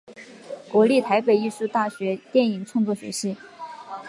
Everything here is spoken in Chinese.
国立台北艺术大学电影创作学系